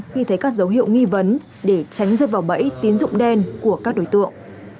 khi thấy các dấu hiệu nghi vấn để tránh rơi vào bẫy tín dụng đen của các đối tượng